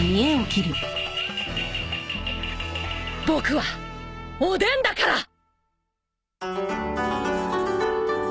僕はおでんだから！